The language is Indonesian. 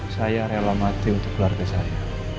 saya rela mati untuk keluarga saya